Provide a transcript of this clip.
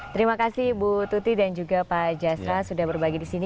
terima kasih bu tuti dan juga pak jasra sudah berbagi disini